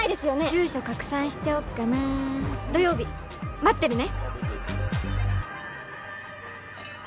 住所拡散しちゃおっかな土曜日待ってるね